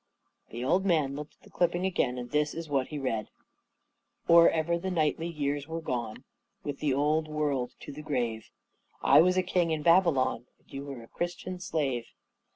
" The old man looked at the clipping again, and this is what he read : Or ever the knightly years were gone With the old world to the grave, 1 6 A KING IN BABYLON I was a King in Babylon And you were a Christian Slave.